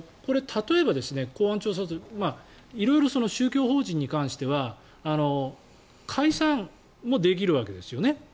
例えば公安調査庁色々、宗教法人に関しては解散もできるわけですよね。